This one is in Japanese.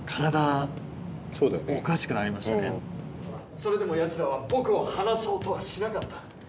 「それでもやつらは僕を離そうとはしなかった」